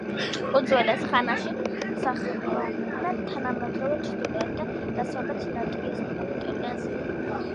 უძველეს ხანაში სახლობდნენ თანამედროვე ჩრდილოეთ და დასავლეთ ლატვიის ტერიტორიაზე.